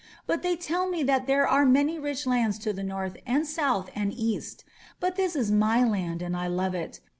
"But they tell me that there are many rich lands to the north and south and east. But this is my land and I love it.